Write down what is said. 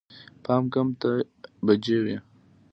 پاو کم اته بجې وې.